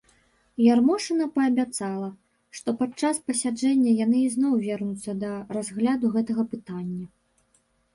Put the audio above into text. Ярмошына паабяцала, што падчас пасяджэння яны ізноў вернуцца да разгляду гэтага пытання.